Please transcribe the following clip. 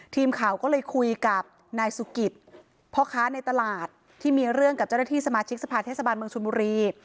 ทีมข่าวก็เลยคุยกับนายสุกิตพ่อค้าในตลาดที่มีเรื่องกับเจ้าหน้าที่สมาชิกสภาเทศบาลเมืองชนบุรี